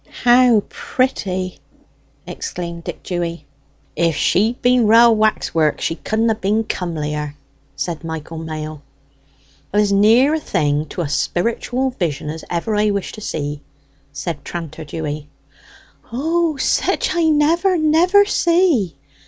"How pretty!" exclaimed Dick Dewy. "If she'd been rale wexwork she couldn't ha' been comelier," said Michael Mail. "As near a thing to a spiritual vision as ever I wish to see!" said tranter Dewy. "O, sich I never, never see!"